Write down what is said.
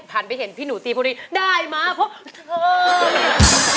ผ่านไปเห็นพี่หนูตีพวกนี้ได้มะเพราะเธอ